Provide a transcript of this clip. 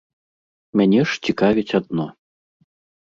Мяне ж цікавіць адно.